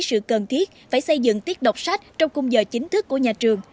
sự cần thiết phải xây dựng tiết đọc sách trong cung giờ chính thức của nhà trường